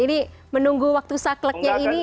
jadi menunggu waktu sakleknya ini